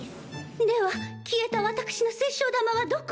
では消えた私の水晶玉はどこに？